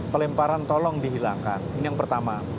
pelemparan tolong dihilangkan ini yang pertama